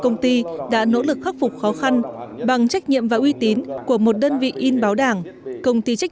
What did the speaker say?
nỗ lực khắc phục khó khăn bằng trách nhiệm và uy tín của một đơn vị in báo đảng công ty trách